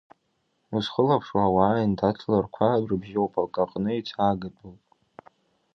Узхылаԥшуа ауаа, аиндаҭларақәа рыбжьоуп, акаҟны еицаагатәуп.